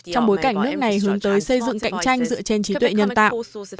trong bối cảnh nước này hướng tới xây dựng cạnh tranh dựa trên trí tuệ nhân tạo